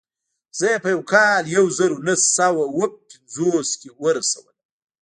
زه يې په کال يو زر و نهه سوه اووه پنځوس کې ورسولم.